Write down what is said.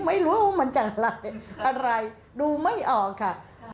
ไม่รู้ว่ามันจะอะไรดูไม่ออกค่ะ